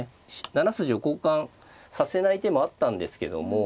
７筋を交換させない手もあったんですけども